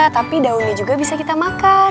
tapi daunnya juga bisa kita makan